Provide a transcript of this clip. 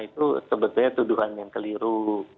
itu sebetulnya tuduhan yang keliru